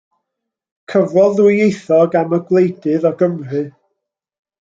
Cyfrol ddwyieithog am y gwleidydd o Gymru.